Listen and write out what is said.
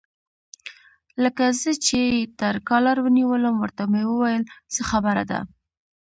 لکه زه چې یې تر کالر ونیولم، ورته مې وویل: څه خبره ده؟